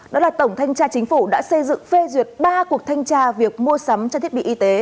đó là tổng thanh tra chính phủ đã xây dựng phê duyệt ba cuộc thanh tra việc mua sắm trang thiết bị y tế